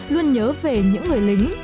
luôn nhớ về những người lính